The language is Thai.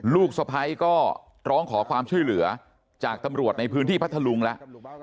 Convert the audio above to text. ลูกสะพ้ายก็ร้องขอความช่วยเหลือจากตำรวจในพื้นที่พัทธลุงแล้ว